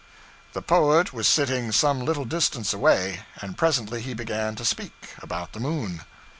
The poet was sitting some little distance away; and presently he began to speak about the moon.